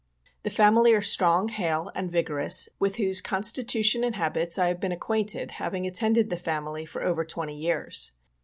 The family are strong, hale and vigorous, with whose constitution and habits I have been acquainted, having attended the family for over twenty years.